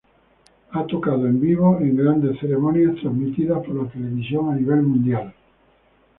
Ha tocado en vivo en grandes ceremonias transmitidas por la televisión a nivel mundial.